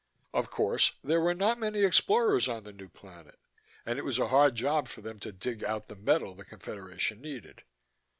Of course, there were not many explorers on the new planet, and it was a hard job for them to dig out the metal the Confederation needed.